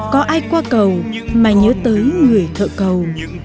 có ai qua cầu mà nhớ tới người thợ cầu